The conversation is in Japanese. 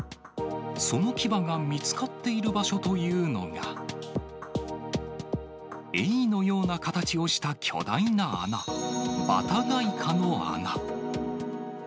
その牙が見つかっている場所というのが、エイのような形をした巨大な穴、バタガイカの穴。